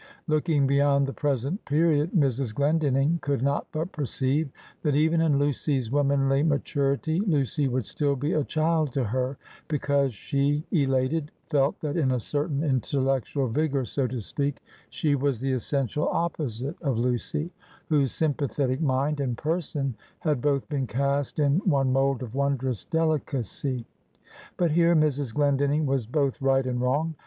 Looking beyond the present period, Mrs. Glendinning could not but perceive, that even in Lucy's womanly maturity, Lucy would still be a child to her; because, she, elated, felt, that in a certain intellectual vigor, so to speak, she was the essential opposite of Lucy, whose sympathetic mind and person had both been cast in one mould of wondrous delicacy. But here Mrs. Glendinning was both right and wrong.